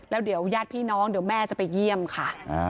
แล้วเดี๋ยวญาติพี่น้องเดี๋ยวแม่จะไปเยี่ยมค่ะ